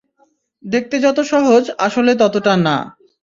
দেখতে যত সহজ, আসলে ততটা না।